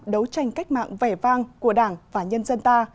đấu tranh cách mạng vẻ vang của đảng và nhân dân ta